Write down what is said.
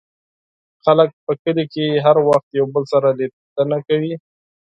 خلک په کلي کې هر وخت یو بل سره لیدنې کوي.